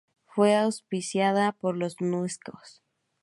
Fue auspiciada por la Unesco.